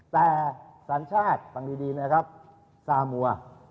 แต่สัญชาติฟังดีนะครับซามัว